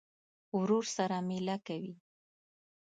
ورور سره مېله کوې.